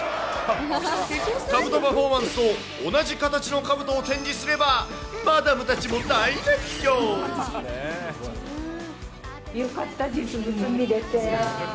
かぶとパフォーマンスを同じ形のかぶとを展示すれば、マダムたちよかった、実物見れて。